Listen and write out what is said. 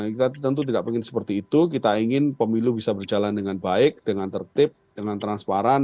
kita tentu tidak ingin seperti itu kita ingin pemilu bisa berjalan dengan baik dengan tertib dengan transparan